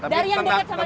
dari yang dekat sama kita